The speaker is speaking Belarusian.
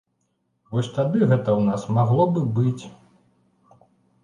Вось тады гэта ў нас магло бы быць.